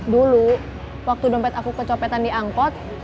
dulu waktu dompet aku kecopetan di angkot